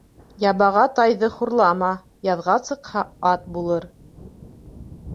Ябаға тайҙы хурлама: яҙға сыҡһа, ат булыр